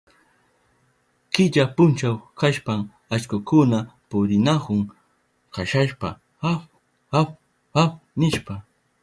Killa puncha kashpan allkukuna purinahun kasashpa aw, aw, aw nishpa.